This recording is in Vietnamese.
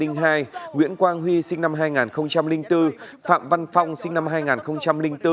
nguyễn quang huy sinh năm hai nghìn bốn phạm văn phong sinh năm hai nghìn bốn